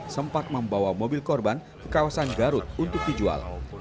sempat membawa mobil korban ke kawasan garut untuk dijual